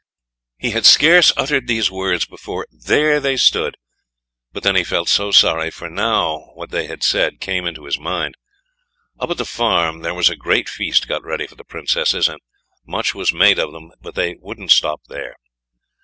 He had scarce uttered these words before there they stood, but then he felt so sorry, for now what they had said came into his mind. Up at the farm there was a great feast got ready for the Princesses, and much was made of them, but they wouldn't stop there.